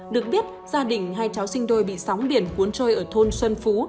được biết gia đình hai cháu sinh đôi bị sóng biển cuốn trôi ở thôn xuân phú